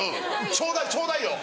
ちょうだいちょうだいよ！